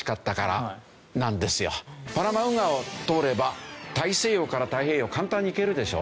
パナマ運河を通れば大西洋から太平洋簡単に行けるでしょ？